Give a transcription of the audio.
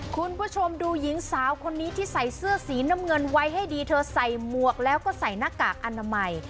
คุณผู้ชมดูหญิงสาวคนนี้ที่ใส่เสื้อสีน้ำเงินไว้ให้ดีเธอใส่หมวกแล้วก็ใส่หน้ากากอนามัย